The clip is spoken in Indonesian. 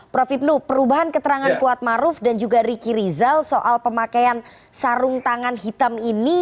prof hipnu perubahan keterangan kuatmaruf dan juga ricky rizal soal pemakaian sarung tangan hitam ini